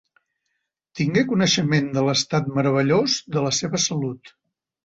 Tingué coneixement de l'estat meravellós de la seva salut.